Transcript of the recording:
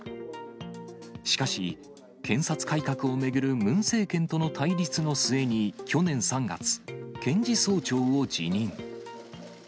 しかし、検察改革を巡るムン政権との対立の末に、去年３月、検事総長を辞任。